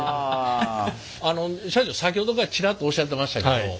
あの社長先ほどからチラッとおっしゃってましたけどえ！？